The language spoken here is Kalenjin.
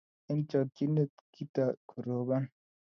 Eng chakchinet, kitoy korobon